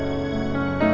ini udah berakhir